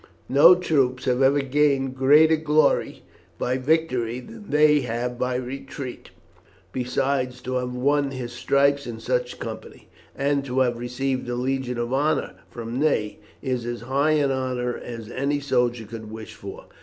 No troops have ever gained greater glory by victory than they have by retreat; besides to have won his stripes in such company, and to have received the Legion of Honour from Ney, is as high an honour as any soldier could wish for.